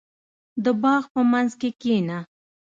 • د باغ په منځ کې کښېنه.